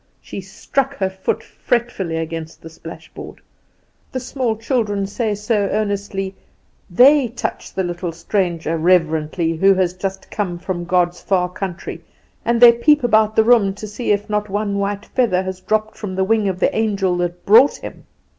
'" She struck her foot fretfully against the splashboard. "The small children say so earnestly. They touch the little stranger reverently who has just come from God's far country, and they peep about the room to see if not one white feather has dropped from the wing of the angel that brought him.